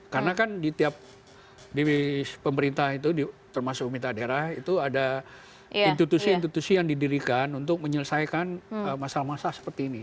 karena kan di tiap pemerintah itu termasuk pemerintah daerah itu ada institusi institusi yang didirikan untuk menyelesaikan masalah masalah seperti ini